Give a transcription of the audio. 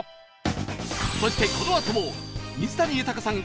そしてこのあとも水谷豊さん